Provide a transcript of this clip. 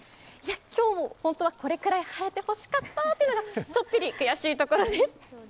今日も本当はこれくらい晴れてほしかったというのが、ちょっぴり悔しいところです。